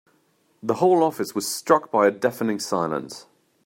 The whole office was struck by a deafening silence.